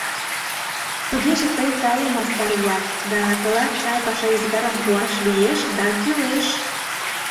— Тугеже тый тале мастар улат, да тылат сай паша ӱзгарым пуаш лиеш да кӱлеш.